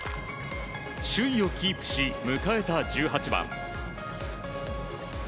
首位をキープし迎えた１８番。